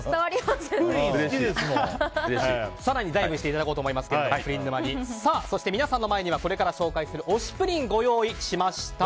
更に、プリン沼にダイブしていただこうと思いますが皆さんの前にはこれから紹介する推しプリンをご用意しました。